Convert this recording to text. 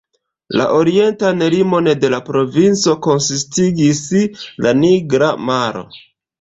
La orientan limon de la provinco konsistigis la Nigra Maro.